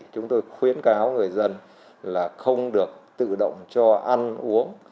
chúng tôi khuyến cáo người dân là không được tự động cho ăn uống